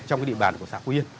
trong cái địa bàn của xã phú yên